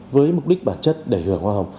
với mục đích bản chất để hưởng hoa hồng